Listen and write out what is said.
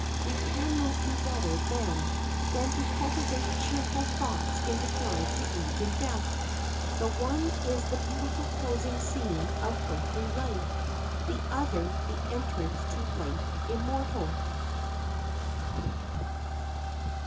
We can not do better, then, than to cultivate cheerful thoughts in regard to age and death. The one is the beautiful closing scene of earthly life, the other the entrance to life immortal.